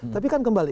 tapi kan kembali